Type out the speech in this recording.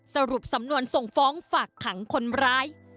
สรุปสำนวนส่งฟ้องฝากขังคนร้าย